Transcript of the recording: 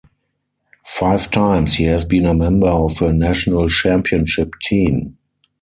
Five times he has been a member of a national championship team.